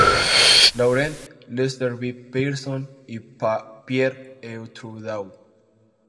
Laurent, Lester B. Pearson y Pierre E. Trudeau.